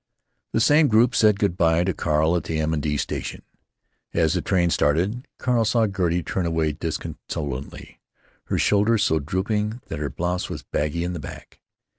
The same group said good by to Carl at the M. & D. station. As the train started, Carl saw Gertie turn away disconsolately, her shoulders so drooping that her blouse was baggy in the back.